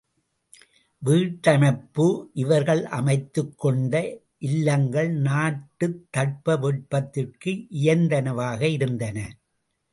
வீட்டமைப்பு இவர்கள் அமைத்துக்கொண்ட இல்லங்கள் நாட்டுத் தட்ப வெப்பத்திற்கு இயைந்தனவாக இருந்தன.